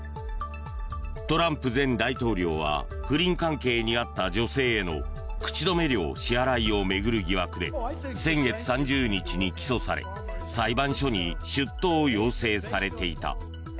トランプ前大統領は不倫関係にあった女性への口止め料支払いを巡る疑惑で先月３０日に起訴され裁判所に出頭を要請されていた。